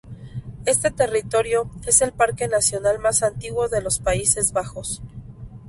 Este territorio es el parque nacional más antiguo de los Países Bajos.